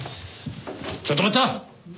ちょっと待った！